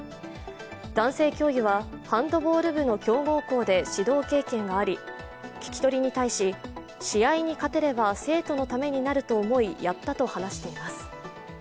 男性教諭はハンドボール部の強豪校で指導経験があり聴き取りに対し、試合に勝てれば生徒のためになると思いやったと話しています。